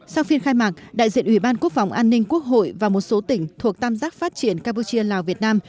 sau phiên khai mạc đại diện ủy ban quốc phòng an ninh quốc hội và một số tỉnh thuộc tam giác phát triển campuchia lào việt nam